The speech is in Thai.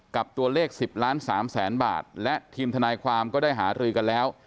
กับตัวเลข๑๐ล้าน๓แสนบาทและทีมทนายความก็ได้หารือกันแล้ว